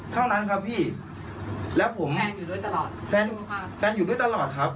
เท่านั้นครับพี่แล้วผมแฟนอยู่ด้วยตลอดแฟนอยู่ค่ะแฟนอยู่ด้วยตลอดครับ